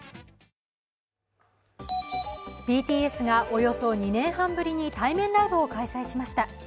ＢＴＳがおよそ２年半ぶりに対面ライブを開催しました。